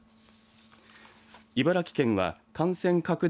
茨城県は感染拡大